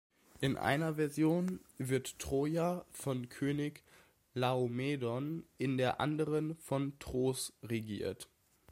In einer Version wird Troja von König Laomedon, in der anderen von Tros regiert.